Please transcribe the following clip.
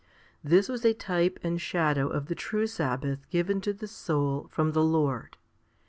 This was a type and shadow of the true sabbath given to the soul from the Lord.